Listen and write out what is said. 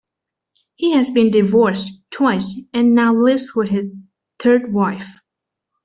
He has been divorced twice and now lives with his third wife.